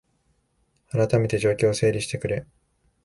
あらためて状況を整理してくれ